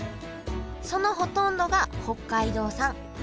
そのほとんどが北海道産。